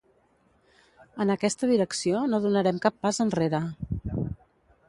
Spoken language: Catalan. En aquesta direcció, no donarem cap pas enrere.